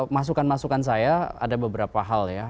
masukan masukan saya ada beberapa hal ya